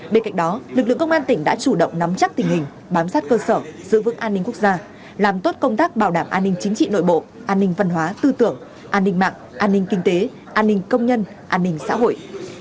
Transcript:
bên cạnh đó lực lượng công an tỉnh đã chủ động nắm chắc tình hình bám sát cơ sở giữ vững an ninh quốc gia làm tốt công tác bảo đảm an ninh chính trị nội bộ an ninh văn hóa tư tưởng an ninh mạng an ninh kinh tế an ninh công nhân an ninh xã hội